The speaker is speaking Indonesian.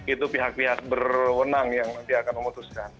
itu pihak pihak berwenang yang nanti akan memutuskan